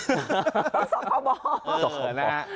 ศพครบอล